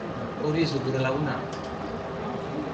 Hori ez duk gure laguna!